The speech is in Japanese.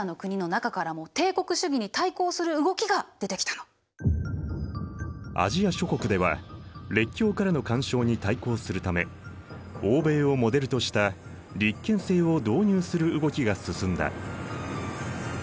そんなふうにならないためにもアジア諸国では列強からの干渉に対抗するため欧米をモデルとした立憲制を導入する動きが進んだ。